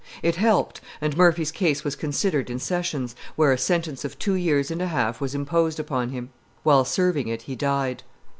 It helped, and Murphy's case was considered in Sessions, where a sentence of two years and a half was imposed upon him. While serving it he died.